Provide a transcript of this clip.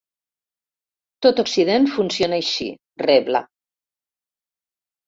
Tot Occident funciona així, rebla.